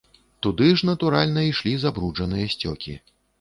Туды ж, натуральна, ішлі забруджаныя сцёкі.